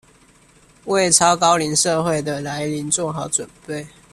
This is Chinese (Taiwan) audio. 為超高齡社會的來臨做好準備